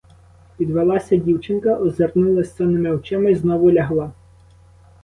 Підвелася дівчинка, озирнулась сонними очима й знову лягла.